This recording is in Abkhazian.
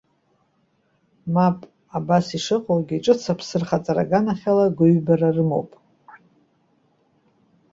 Мап! Абас ишыҟоугьы, ҿыц аԥсы рхаҵара аганахьала агәыҩбара рымоуп.